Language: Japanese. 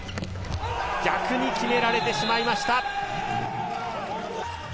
逆に決められてしまいました。